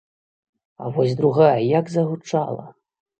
А вось другая як загучала!!!